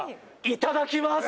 いただきます！